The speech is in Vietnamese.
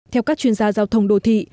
theo các chuyên gia giao thông đô thị